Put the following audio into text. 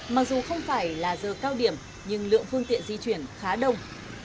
mặc dù không phải là giờ cao điểm nhưng lượng phương tiện di chuyển khá đông